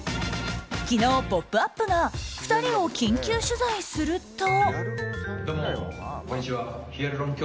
昨日、「ポップＵＰ！」が２人を緊急取材すると。